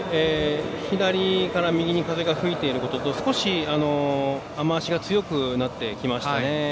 左から右に風が吹いていることと少し雨足が強くなってきましたね。